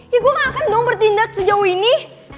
ya gua gak akan dong bertindak sejauh ini